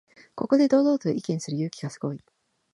ここで堂々と意見する勇気がすごい